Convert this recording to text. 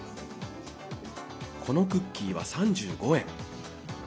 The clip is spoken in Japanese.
このクッキーは３５円。